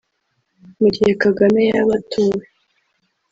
Mu gihe Kagame yaba atowe